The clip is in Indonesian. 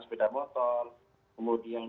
sepeda motor kemudian